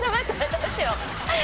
どうしよう！